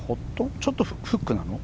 ちょっとフックなの？